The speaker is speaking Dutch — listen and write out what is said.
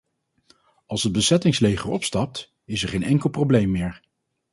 Als het bezettingsleger opstapt, is er geen enkel probleem meer.